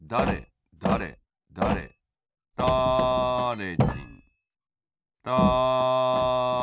だれだれだれだれ